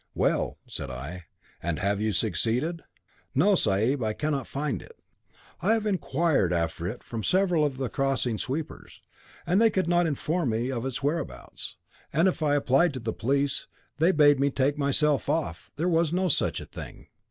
'Well,' said I, 'and have you succeeded?' 'No, sahib. I cannot find it. I have inquired after it from several of the crossing sweepers, and they could not inform me of its whereabouts; and if I applied to the police, they bade me take myself off, there was no such a thing.